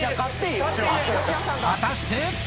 果たして。